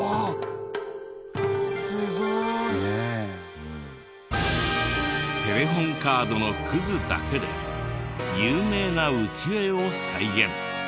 すごい！テレホンカードのクズだけで有名な浮世絵を再現。